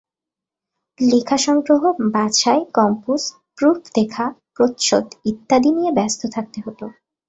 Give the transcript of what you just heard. লেখা সংগ্রহ, বাছাই, কম্পোজ, প্রুফ দেখা, প্রচ্ছদ ইত্যাদি নিয়ে ব্যস্ত থাকতে হতো।